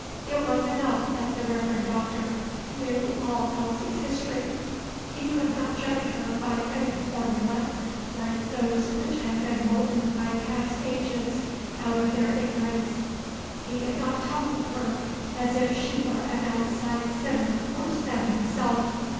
It was enough that the Reverend Doctor knew all Elsie's history. He could not judge her by any formula, like those which have been moulded by past ages out of their ignorance. He did not talk with her as if she were an outside sinner worse than himself.